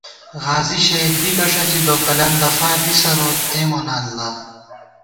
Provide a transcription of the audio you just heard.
غازی شہیدبِکہ ݭڅی، دوکلام دفادی سَروت اے مونہ اللہ